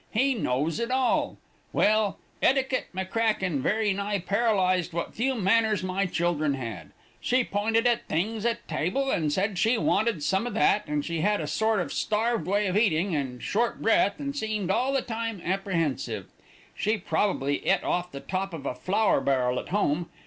He knows it all. Well, Etiquette McCracken very nigh paralyzed what few manners my children had. She pointed at things at table, and said she wanted some o' that, and she had a sort of a starved way of eating, and short breath, and seemed all the time apprehensive. She probably et off the top of a flour barrel at home.